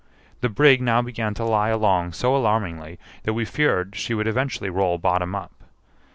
The brig now began to lie along so alarmingly that we feared she would eventually roll bottom up.